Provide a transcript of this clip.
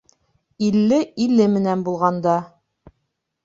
Илле иле менән булғанда